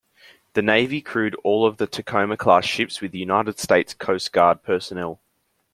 The Navy crewed all of the "Tacoma"-class ships with United States Coast Guard personnel.